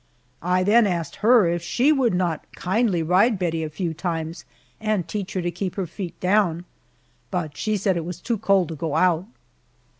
I then asked her if she would not kindly ride Bettie a few times and teach her to keep her feet down. But she said it was too cold to go out!